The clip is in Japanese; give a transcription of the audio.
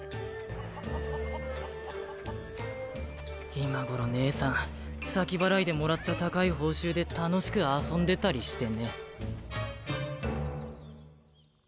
今頃姉さん先払いでもらった高い報酬で楽しく遊んでたりしてね。